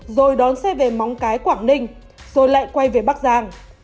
rồi đón xe về móng cái quảng ninh rồi lại quay về bắc giang